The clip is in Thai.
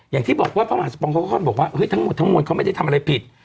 อย่างที่บอกว่าพระมหาสมปองเขาก็บอกว่าทั้งหมดทั้งมวลเขาไม่ได้ทำอะไรผิด